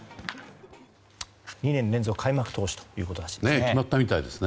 ２年連続開幕投手ということらしいですね。